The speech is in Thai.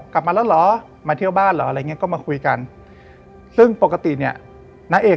กลับมาแล้วเหรอ